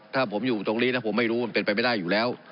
ถ้าผมอยู่ตรงนี้นะผมไม่รู้มันเป็นไปไม่ได้อยู่แล้ว